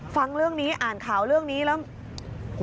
ฟังเรื่องนี้อ่านข่าวเรื่องนี้แล้ว